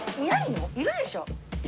いるでしょ？